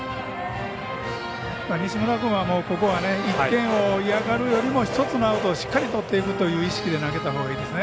西村君はここは１点を嫌がるよりも１つアウトをしっかりととっていくという意識で投げたほうがいいですね。